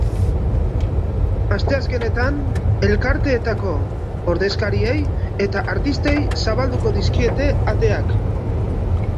Asteazkenetan elkarteetako ordezkariei eta artistei zabalduko dizkiete ateak.